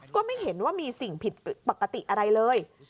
ก็ไม่เห็นว่ามีสิ่งผิดปกติอะไรเลย